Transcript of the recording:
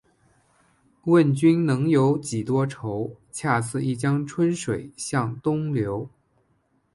问君能有几多愁？恰似一江春水向东流